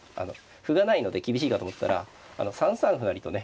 歩がないので厳しいかと思ったら３三歩成とね。